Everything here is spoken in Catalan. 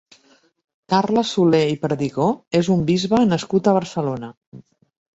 Carles Soler i Perdigó és un bisbe nascut a Barcelona.